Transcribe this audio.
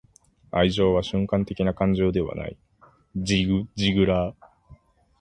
愛情は瞬間的な感情ではない.―ジグ・ジグラー―